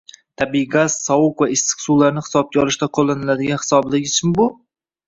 Tabiiy gaz sovuq va issiq suvlarni hisobga olishda qo‘llaniladigan hisoblagichmi bu?